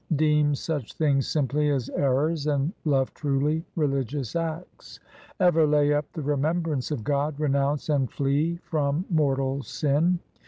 Deem such things simply as errors and love truly religious acts. Ever lay up the remembrance of God ; renounce and flee from mortal sin.